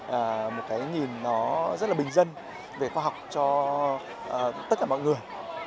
và một cái nhìn nó rất là bình dân về khoa học cho tất cả mọi người